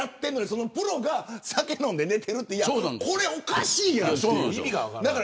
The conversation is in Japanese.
そのプロが酒飲んで寝てるってこれおかしいやんっていう。